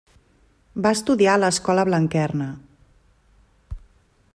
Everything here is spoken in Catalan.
Va estudiar a l'Escola Blanquerna.